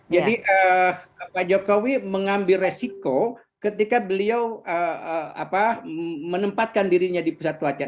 jadi pak jokowi mengambil resiko ketika beliau menempatkan dirinya di pusat wajah